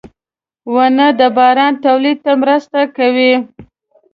• ونه د باران تولید ته مرسته کوي.